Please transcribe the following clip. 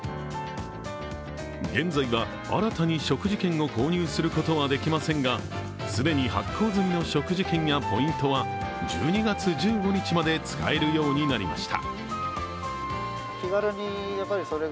現在は、新たに食事券を購入することはできませんが既に発行済みの食事券やポイントは１２月１５日まで使えるようになりました。